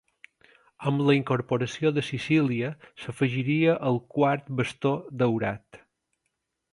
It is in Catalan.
Amb la incorporació de Sicília s'afegiria el quart bastó daurat.